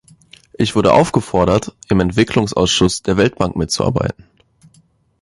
Ich wurde aufgefordert, im Entwicklungsausschuss der Weltbank mitzuarbeiten.